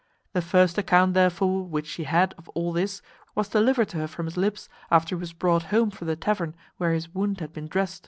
The first account therefore which she had of all this was delivered to her from his lips, after he was brought home from the tavern where his wound had been drest.